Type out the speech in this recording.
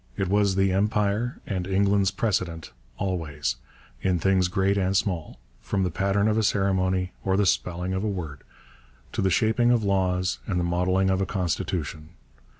It was the 'Empire' and 'England's precedent' always, in things great and small from the pattern of a ceremony, or the spelling of a word, to the shaping of laws and the modelling of a constitution.